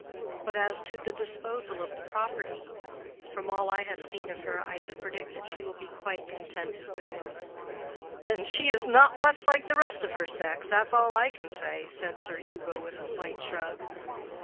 But as to the disposal of the property—from all I have seen of her, I should predict that she will be quite contented with it." "Then she is not much like the rest of her sex; that's all I can say," said Sir Hugo, with a slight shrug.